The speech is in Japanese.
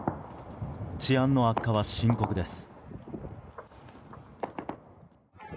治安の悪化は深刻です。